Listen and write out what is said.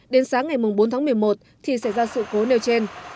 đến sáng ngày bốn tháng một mươi một thì xảy ra sự cố nêu trên